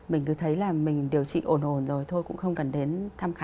mình cứ thấy là mình điều trị ổn ổn rồi thôi cũng không cần đến thăm khám lại nữa